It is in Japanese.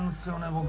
僕。